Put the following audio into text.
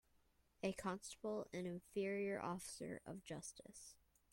A constable an inferior officer of justice.